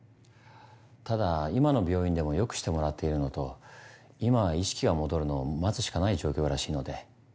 ただ今の病院でも良くしてもらっているのと今は意識が戻るのを待つしかない状況らしいので。